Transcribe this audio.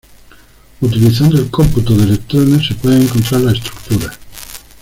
Utilizando el cómputo de electrones, se puede encontrar la estructura.